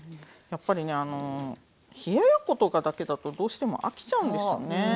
やっぱりね冷ややっことかだけだとどうしても飽きちゃうんですよね。